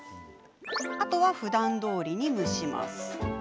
あとは、ふだんどおりに蒸します。